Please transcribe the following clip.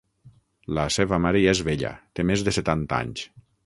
La seva mare ja és vella: té més de setanta anys.